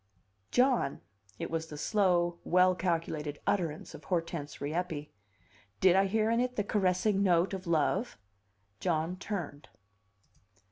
"John!" It was the slow, well calculated utterance of Hortense Rieppe. Did I hear in it the caressing note of love? John turned.